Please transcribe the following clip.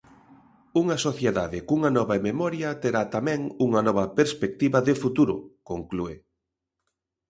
"Unha sociedade cunha nova memoria terá tamén unha nova perspectiva de futuro", conclúe.